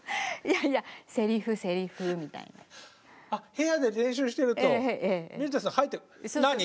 部屋で練習してると水谷さん入ってくる「なに？」